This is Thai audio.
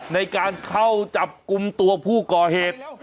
ในการเข้าจับกลุ่มตัวผู้ก่อเหตุ